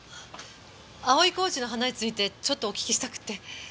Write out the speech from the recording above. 葵小路の花についてちょっとお聞きしたくって。